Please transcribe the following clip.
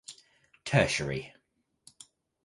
Tertiary.